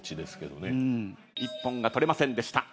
一本が取れませんでした。